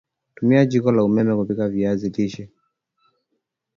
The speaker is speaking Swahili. Tumia jiko la umeme kupika viazi lishe